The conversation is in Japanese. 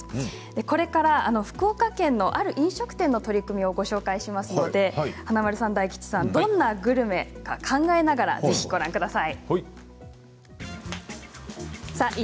これから福岡県のある飲食店取り組みをご紹介しますので華丸さん、大吉さんどんなグルメか考えながらぜひご覧ください。